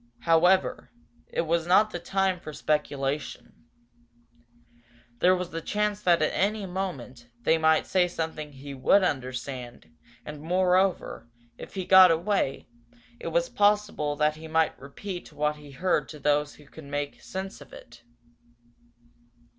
However, it was not the time for speculation. There was the chance that any moment they might say something he would understand, and, moreover, if he got away, it was possible that he might repeat what he heard to those who would be able to make more use of it.